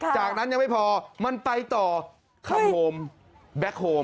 จากนั้นยังไม่พอมันไปต่อคำโฮมแบ็คโฮม